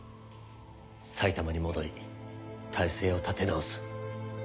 埼玉に戻り体制を立て直す。